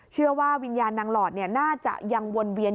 เชื่อว่าวิญญาณนางหลอดน่าจะยังวนเวียน